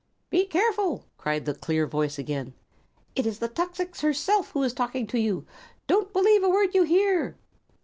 "Be careful!" cried the clear voice, again. "It is the tuxix herself who is talking to you. Don't believe a word you hear!"